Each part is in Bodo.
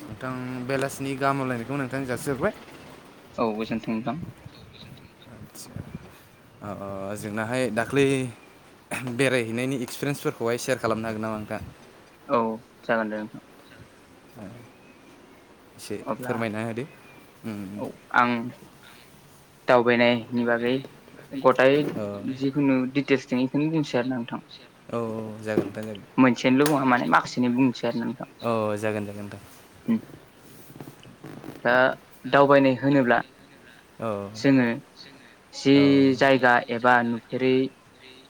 नोंथां बेलासिनि गाहामलायनायखौ नोंथां जासिहरबाय औ गोजोनथोंदां आ जोंनाहाय दाख्लै बेरायहैनायनि एक्सपिरियेन्सफोरखौहाय सेयार खालामनो हागोन नामा आंथा औ जागोन दे नोंथां औ एसे अब्ला फोरमायना होदो औ आं दावबायनायनि बागै गथाय ओ जिखुनु दिटेल्स दं बेखौनो बुंसै आरो नोंथां औ औ जागोनथां जागोन मोनसेनिल' बुङा माने जागोन माखासेनि बुंसै औ जागोन जागोन नोंथां दा दावबायनाय होनोब्ला औ जोङो जि औ जायगा एबा नुफेरै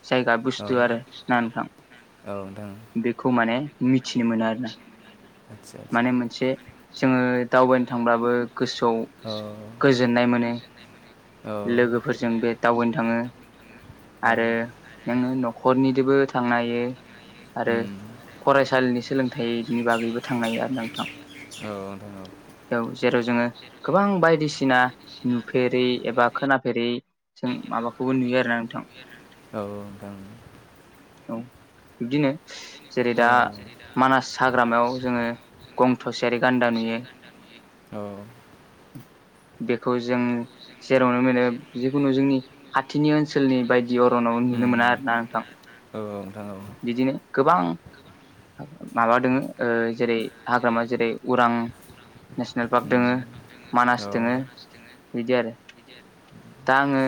जायगा बुस्थु आरो ना नोंथां औ औ नोंथां बेखौ माने मिथिनो मोनो आरो ना आदसा आदसा माने मोनसे जोंङो दावबायनो थांब्लाबो गोसोआव औ गोजोननाय मोनो औ लोगोफोरजों बे दावबायनो थांङो औ आरो नोङो नखरनिजोंबो थांनो हायो आरो उम फरायसालिनि सोलोंथाइनि बागैबो थांनो औ नोंथां जेराव [inaudible] गोबां बायदिसिना नुफेरै एबा खोनाफेरै जों माबाखौबो नुयो गोंथां औ नोंथां बिदिनो जेरै औ दा मानास हाग्रामायाव जोङो गं थसेयारि गान्दा नुयो औ बेखौ जों जेरावनो मोनो जिखुनु जोंनि खाथिनि ओनसोलनि बायदि इअरनाव नुनो मोना आरोना नोंथां नुनो मोना आरोना बिदिनो गोबां माबा दोङ जेरै हाग्रामा जेरै उरां नेसनेल पार्क दोङो मानास दोङो बिदि आरो दा आङो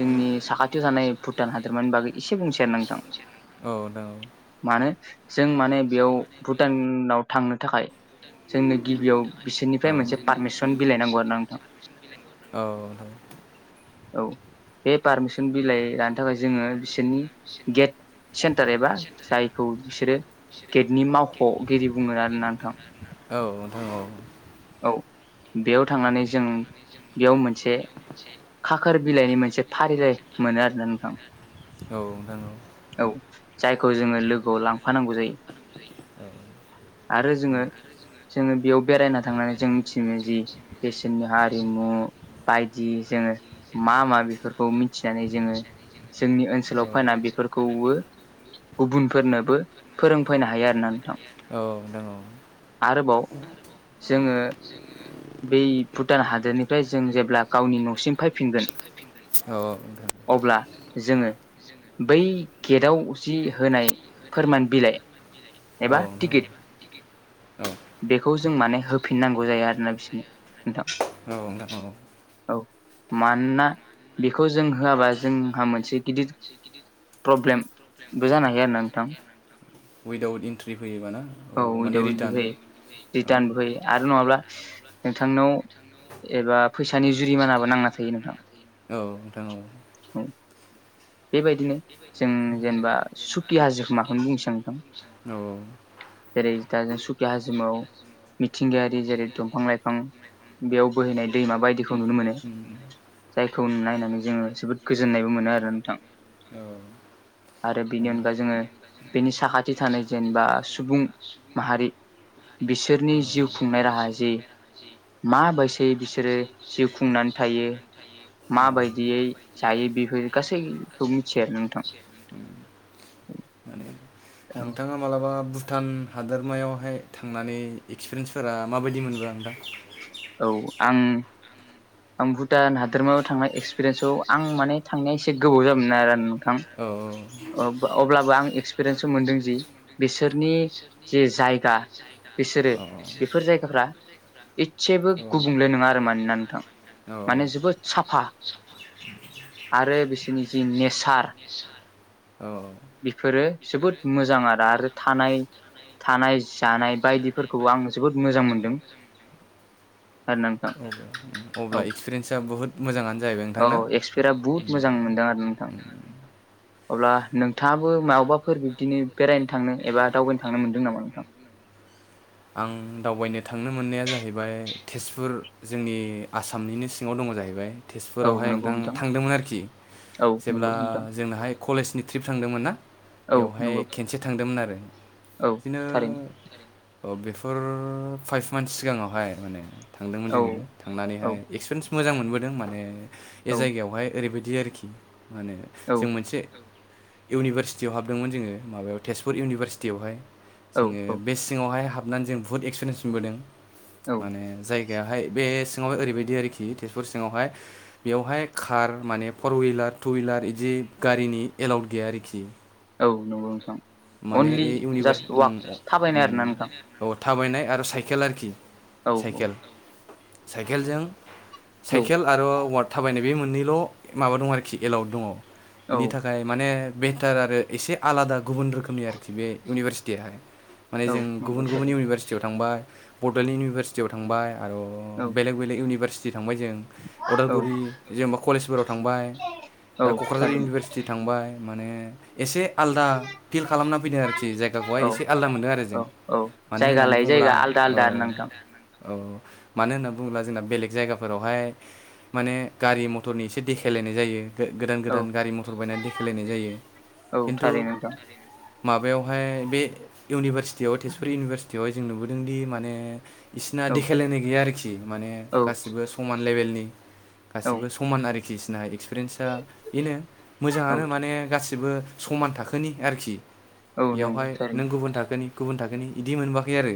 जोंनि साखाथियाव थानाय भुटान हादोरमानि बागै एसे बुंसै आरो नोंथां मानो जों माने बेयाव भुटानाव थांनो थाखाय जोंनो गिबियाव बिसोरनिफ्राय दोङो मोनसे पारमिसन बिलाइनांगौ आरो ना नोंथां औ औ बे पारमिसन बिलाइ लानो थाखाय जोङो बिसोरनि गेट सेन्टार एबा जायखौ बिसोरो गेटनि मावख'गिरि बुङो आरोना नोंथां औ नोंथां औ नोंथां औ आरो औ बेयाव थांनानै जों बेयाव मोनसे खाखोर बिलाइनि मोनसे फारिलाइ मोनो आरो ना नोंथां जोङो जोंनि औ जायखौ जोङो लोगोआव लांफानांगौ जायो आरो जोङो जोङो बेयाव बेरायना थांनानै जों मिथिनो जि बिसोरनि हारिमु। बायदि जोङो मा मा बेफोरखौ मिथिनानै जोङो जोंनि ओनसोलाव फैना बेफोरखौबो गुबुनफोरनोबो फोरोंफैनो हायो आरोना नोंथां। फोरोंबोनो आरोबाव जोङो बै भुटान हादोरनिफ्राय जों जेब्ला गावनि न'सिम फैफिनगोन। हायो आरो अब्ला जोङो बै गेटाव जि होनाय फोरमान बिलाइ एबा औ टिकेट नोंथां बेखौ जों माने होफिननांगौ जायो आरोना बिसोरनो नोंथां औ नोंथां औ नोंथां औ औ मानोना बेखौ जों होआबा जोंहा मोनसे गिदिर प्रब्लेमबो जानो हायो आरो ना नोंथां उइदाउट इन्ट्रि फैयोबाना औ माने उइदाव बिदि फैयो रिटार्न रिटार्नबो फैयो औ आरो नङाब्ला नोंथांनाव एबा फैसानि जुरिमानाबो नांना थायो नोंथां। औ नोंथां औ बेबायदिनो जों जेनेबा सुखि हाजोमाखौनो बुंनोसै नोंथां औ जेरै दा जों सुखिया हाजिमाव मिथिंगायारि जेरै दंफां लाइफां बेयाव बोहैनाय दैमा बायदिखौ नुनो मोनो। जायखौ नायनानै जोङो जोबोद गोजोननायबो मोनो आरो नोंथां औ आरो बेनि माने अनगा जोङो बेनि साखाथि थानाय जेनेबा सुबुं माहारि बिसोरनि जिउ खुंनाय राहा जे माबायसै बिसोरो जिउ खुंनानै थायो। माबायदियै जायो बेफोर गासैखौ मिथियो आरो नोंथां औ माने नोंथाङा मालाबा भुटान हादोरमायावहाय थांनानै एक्सपिरियेन्सफोरा माबायदि मोनबो आं दा औ आं आं भुटान हादोरमायाव थांनाय एक्सपिरियेन्सआव आं माने थांनाया एसे गोबाव जाबोन ना आरो नोंथां औ औ अब्लाबो आं एक्सपिरियेन्स मोनदों जि बिसोरनि जे जायगा। बिसोरो औ बेफोर जायगाफ्रा एसेबो गुबुंले नङा आरो मानोना नोंथां औ माने जोबोद साफा आरो बिसोरनि जि नेचार औ बेफोरो जोबोद मोजां आरो आरो थानाय थानाय जानाय बायदिफोरखौबो आं जोबोद मोजां मोनदों। आरो नोंथां औ अब्ला एक्सपिरियेन्सा बुहुत मोजाङानो जाहैबाय नोंथांना? औ एक्सपिरिया बुहुत मोजां मोनदों आरो नोंथां। अब्ला नोंथाङाबो माबबाफोर बिब्दिनो बेरायनो थांनो एबा दावबायनो थांनो मोन्दों नामा नोंथां? [inaudible] आं दावबायनो थांनो मोननाया जाहैबाय तेजपुर जोंनि आसामनिनो सिङाव दंङ। जाहैबाय औ तेजपुरावहाय नंगौ नोंथां थांदोंमोन आरोखि औ नंगौ जेब्ला नोंथां जोंनाहाय कलेजनि ट्रिप थांदोंमोन ना औ बेवहाय नंगौ खेनसे थांदोंमोन आरो औ बिदिनो थारैनो अ बेफर फाइभ मान्थस सिगाङावहाय माने थांदोंमोन औ जोङो औ थांनानैहाय एक्सपिरियेन्स मोजां मोनबोदों माने बे औ जायगायावहाय ओरैबायदि आरोखि माने औ जों मोनसे इउनिभारसिटियाव हाबदोंमोन जोङो माबायाव तेजपुर इउनिभारसिटियावहाय औ जोङो बे सिङावहाय हाबनानै जों बुहुत एक्सपिरियेन्स मोनबोदों औ माने जाय जायगायावाहाय बे सिङावहाय ओरैबायदि आरोखि तेजपुर सिङावहाय बेयावहाय कार माने फर हुइलार टु हुइलार बिदि गारिनि एलावउद गैया आरोखि औ नंगौ नोंथां माने अनलि जास्ट वाक इउनिभार्स थाबायनाय आरोना नोंथां औ थाबायनाय आरो साइखेल आरोखि औ साइखेल साइखेलजों औ साइकेल आरो वार्ड थाबायनाय बे मोननैल' माबा दं आरोखि एलउद दङ। औ बेनि थाखाय माने बेटार आरो एसे आलादा गुबुन रोखो रोखोमनि आरोखि बे इउनिभारसिटिया माने औ जों नंगौ गुबुन गुबुन थारैनो इउनिभारसिटियाव थांबाय बड'लेण्ड इउनिभारसिटि आयाव थांबाय आरो औ बेलेग बेलेग इउनिभारसिटि थांबाय जों औ उदालगुरि जेनेबा कलेजफोराव थांबाय आरो औ क'क्राझार थारैनो इउनिभारसिटि थांबाय माने एसे आलदा फिल खालामना फैदों आरोखि जायगाखौहाय औ एसे आलादा मोनदों आरो औ जों औ मानो जायगा होननानै लायै बुंङोब्ला जायगा आलदा औ आलदा आरो नोंथां औ मानो होननानै बुङोब्ला जोंना बेलेग जायगाफोरावहाय माने गारि मथरनि एसे देखायलायनाय जायो। गोदान औ गोदान गारि मथर बायनानै देखायेलायनाय जायो औ खिन्थु थारै नोंथां माबायावहाय बे इउनिभारसिटियाव तेजपुर इउनिभारसिटियावहाय जों नुबोदोंदि माने इसिना औ देखायलायनाय गैया आरोखि माने औ गासिबो समान लेबेलनि औ गासिबो समान आरोखि बिसिना एक्सपिरिन्सा बेनो औ मोजाङानो माने गासिब [unintelligible] गुबुन औ नंगौ थारैनो थाखोनि इदि मोनबोाखै आरो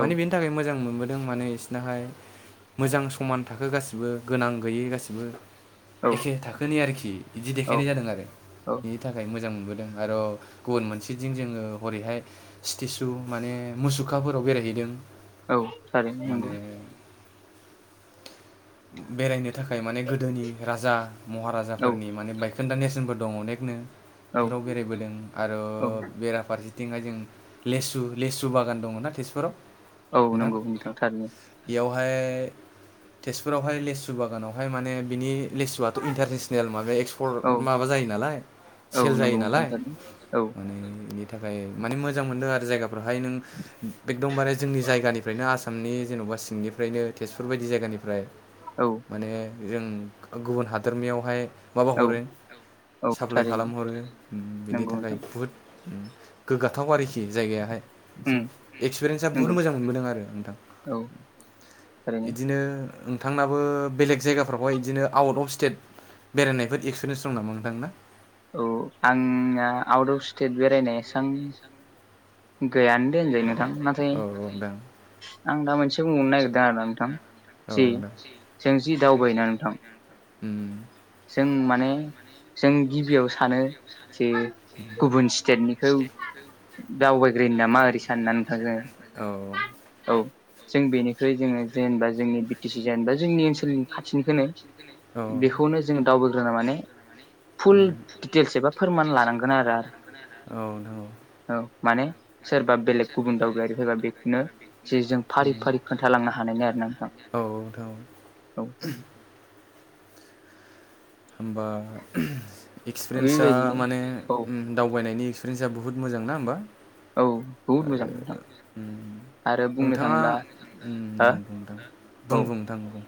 औ बेनि थाखाय मोजां मोन दों माने बिसिनाहाय मोजां समान थाखो गासिबो गोनां गैयै गासिबो औ एखे थाखोनि आरोखि बिदि औ देखायनाय जादों आरो औ बेनि थाखाय मोजां मोनबोदों आरो गुबुन मोनसेथिं जोङो हरैहाय स्टेसु माने मुसुखाफोराव बेरायहैदों औ थार नंगौ माने बेरायनो थाखाय माने गोदोनि राजा औ महाराजाफोरनि माने बायखोन्दा नेसनफोर दं अनेकनो औ बेफोराव बेरायबोदों आरो औ बेराफार बिथिंहाय जों लेसु लेसु बागान दङ ना तेजपुराव औ नंगौ नोंथां थारनो। बेहाय तेजपुरावहाय लेसु बागानावहाय माने बिनि लेसुवथ' इन्टारनेसनेल माब औ एक्सपर्ट माबा जायो नालाय औ सेल जायो। नंगौ नालाय थारैनो औ। माने बेनि थाखाय माने मोजां मोनदों आरो जायगाफ्रावहाय नों एकदमबारे जोंनि जायगानिफ्रायनो आस आसामनि जेन'बा सिंनिफ्रायनो तेजपुर बायदि जायगानिफ्राय औ माने जों गुबुन हादोरनियावहाय माबा औ हरो औ साप्लााय थारैनो खालामहरो बिनि नंगौ थाखाय नोंथां बुहुत गोग्गाथाव आरोखि खि जायगायाहाय उम एक्सपिरियेन्सा बहुत नंगौ मोजां मोनबोदों आरो नोंथां। औ थारैनो इदिनो नोंथांनाबो बेलेग जायगाफ्रावहाय बिदिनो आउट अफ स्टेट बेरायनायफोर एक्सपिरियेन्स दं नामा नोंथांना? औ आंना आउट अफ स्टेट बेरायनायसां गैयानो दोनजायो नोंथां नाथाय आं दा मोनसे बुंहरनो नागिरदों आरो नोंथां जि सोंजि दावबायोना नोंथां उम। जों माने जों गिबियाव सानो जे गुबुन स्टेटनिखौ दावबायग्रोोन नामा ओरै साननानै औ औ जों बेनिख्रुइ जोङो जेनेबा जोंनि सि जेनब जोंनि ओनसोल खाथिनिखौनो औ। [unintelligible] माने फुल दिडिटेल्स एबा फोरमान लानांगोन आरो औ नंगौ औ माने सोरबा बेलेग गुबुन दावबायारि फैबा बेखौनो जे जों फारि फारि खोन्थालांनो हानायनि आरो ना नोंथां। औथ औ होमबा एक्सपिरियेन्सा बेबायदिनो माने औ दावबायनायनि [unintelligible] बुहूत मोजां नाोमबा औ। बहुद आरो मोजां नोंथां मम आरो बुंनो नोंथाङा थांब्ला हो बुंग नोंथां औ बुंग नोंथां बुं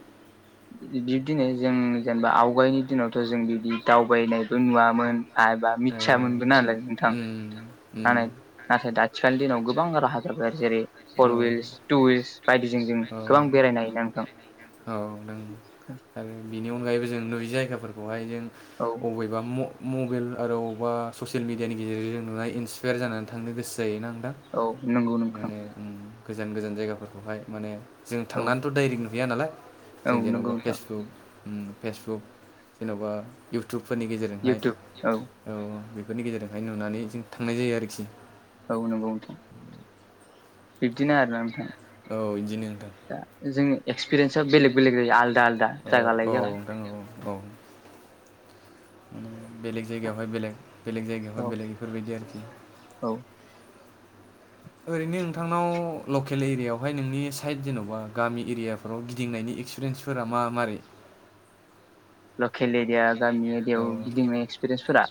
बिब्दिनो जों जेनेबा आवगायनि दिनावथ' जों बिदि दावबायनायबो नुवामोन आबा मिथिया मोनगोन नालाय नोंथां। म्म। नालाय नाथाय दा आथिखालनि दिनाव गोबां राहा जाबाय आरो जेरै फर हुइिल्स टु हिल्स बायदिजों जों गोबां बेरायनाय ना नोंथां। औ। आरो बेनि अनगायैबो जों नुि जायगाफोरखौहाय जों औ अबेबा म मबाइल आरोअबावबा ससियेल मिडियानि गेजेरजों जों नुनाय इसपायार जानानै थांनो गोसो जायोना नोंथां औ नंगौ नोंथां। माने गोजान गोजान जायगाफोरखौहाय माने जों औ थांनानैथ' डाइरेक्ट नुहैया नालाय औ जों नंगौ जेन'बा नोंथां फेसबुक फेसबुक जेन'बा इउटुब फोरनि गेजेरजोंहाय औ बेफोरनि गेजेरजोंहाय नुनानै जों थांनाय जायो आरोखि। औ नंगौ नोंथां बिब्दिनो आरोना नोंथां। औ बिदिनो नोंथां दा जोंनि एक्सपिरियेन्सआ बेलेग बेलेग ज आलादा आलादा औ जायगा लायै औ जायगा। नोंथां औ औ। बेलेग जायगायावहाय बेलेग बेलेग जायगायावहाय औ बेलेग बेफोरबायदि आरोखि। औ ओरैनो नोंथांनाव लकेल एरियायावहाय नोंनि साइद जेन'बा गामि एरियाफोराव गिदिंनायनि एक्सपिरियेन्सफोरा मा मारै? लखेल एरिया गामि एरिायाव गिदिंनाय एक्सपिरियेन्सफोरा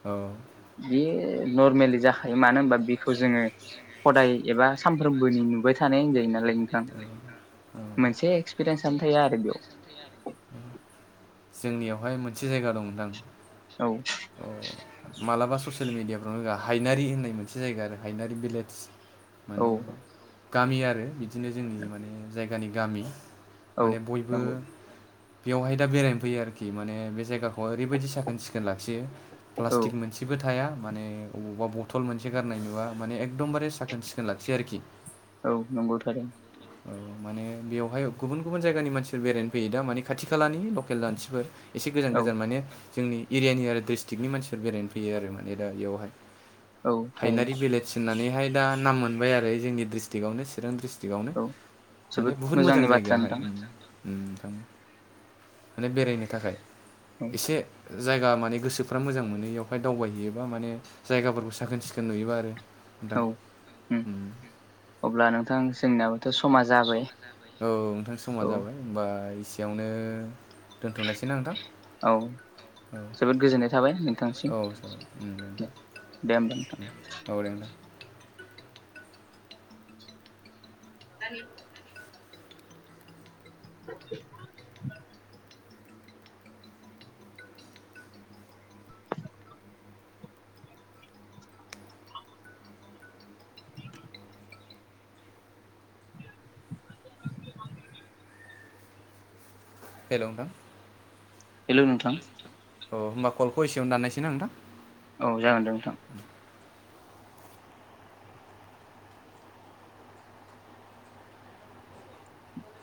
बे बेयो नर्मेलि जाखायो मानो होनबा बेखौ जोङो हदाय एबा सानफ्रोमबोनि नुबाय थानाय होनजायो नामा नालाय मोनसे एक्सपिरियेन्सनो थाया आरो बेयाव जोंनियावहाय मोनसे जायगा दंथां। औ अ। मालाबा ससियेल मिडियाफ्राव होआ हायनारि होननाय मोनसे जायगा आरो हायनारि भिलेज माने गामि आरो बिदिनो जोंनि माने जायगानि गामि। औ माने बयबो नंगौ बेवहाय दा बेरायनो फैयो आरोखि माने बे जायगाखौ ओरैबायदि साखोन सिखोन ला खियो औ प्लासतिक मोनसेबो थाया माने अबावबा बटल मोनसे गारनाय नुबा माने एख दमबारे साखोन सिखोन लाखियो आरोखि। औ नंगौ थारैनो औ माने बेवहाय गुबुन गुबुन जायगानि मानसिफोर बेरायनो फैयो दा माने खाथि खालानि लकेल मानसिफोर एसे गोजान औ गोजान माने जोंनि एरियानि आरो डिस्ट्रिक्टनि मानसिफोर बेरायनो फैयो आरो माने दा इयावहाय। औ हायनारि थारैनो भिलेज होननानैहाय दा नाम मोनबाय आरो जोंनि डिस्ट्रिक्टआवनो चिरां डिस्ट्रिक आवनो औ माने जोबोद बहुत मोजां मोजांनि बाथ्रा जायगायाहाय। नोंथां ओम नोंथां माने बेरायनो थाखाय औ एसे जायगा माने गोसोफ्रा मोजां मोनो एयावहाय दावबायहैयोबा माने जायगाफोरखौ साखोन सिखोन नुयोबा आरो। औ नोंथां ओम अब्ला नोंथां जोंनियाबोथ' समा जाबाय। औ नोंथां समा औ जाबाय होनबा एसेयावनो दोनथ'नायसै ना नोंथां? औ औ जोबोद गोजोननाय थाबाय नोंथांनिसिम थाबाय औ जाबाय। औ दे। होमबा नोंथां [inaudible] [inaudible] [inaudible] हेल' नोंथां? हेल' नोंथां! औ होनबा कलखौ एसेयावनो दान्नायसै ना नोंथां? औ जागोन दे नोंथां।